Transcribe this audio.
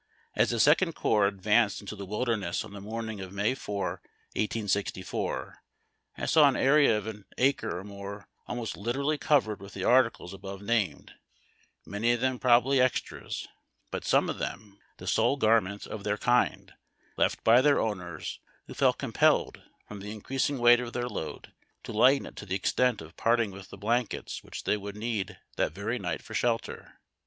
As the Second Corps advanced into the Wilderness on the morning of May 4, 1864, I saw an area of an acre or more almost literally covered with the articles above named, many of them prob ably extras, but some of them the sole garment of their kind, left by the owners, who felt compelled, from the in creasing weight of their load, to lighten it to the extent of parting with the blankets which they would need that very night for shelter.